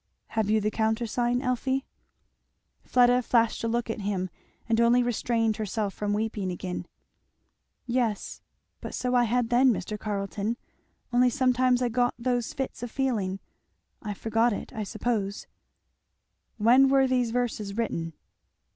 "Have you the countersign, Elfie?" Fleda flashed a look at him, and only restrained herself from weeping again. "Yes. But so I had then, Mr. Carleton only sometimes I got those fits of feeling I forgot it, I suppose." "When were these verses written?"